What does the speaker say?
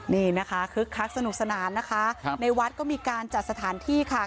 นี่นะคะคึกคักสนุกสนานนะคะในวัดก็มีการจัดสถานที่ค่ะ